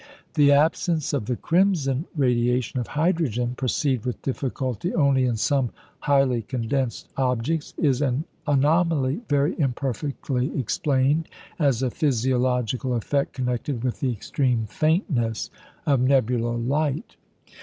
The absence of the crimson radiation of hydrogen perceived with difficulty only in some highly condensed objects is an anomaly very imperfectly explained as a physiological effect connected with the extreme faintness of nebular light.